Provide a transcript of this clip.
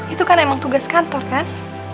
itu kan emang tugas kantor kan